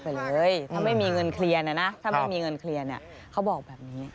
ไปเลยถ้าไม่มีเงินเคลียรนะเขาบอกแบบนี้